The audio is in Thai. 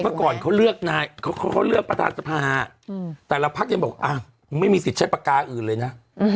เมื่อก่อนเขาเลือกประธานภาคแต่ละภักดิ์ยังบอกอ้าวไม่มีสิทธิ์ใช้ปากกาอื่นเลยนะ